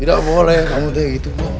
tidak boleh kamu kayak gitu